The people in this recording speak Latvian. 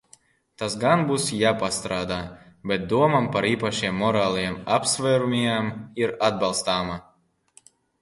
Tas gan būs jāpārstrādā, bet doma par īpašiem morāliem apsvērumiem ir atbalstāma.